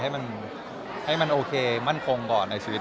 ให้มันโอเคมั่นคงก่อนในชีวิต